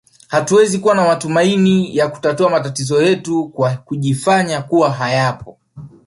Hatuwezi kuwa na matumaini ya kutatua matatizo yetu kwa kujifanya kuwa hayapo